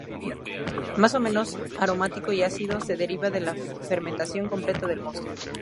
Más o menos aromático y ácido, se deriva de la fermentación completa del mosto.